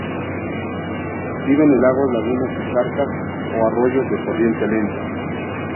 Viven en lagos, lagunas y charcas, o arroyos de corriente lenta.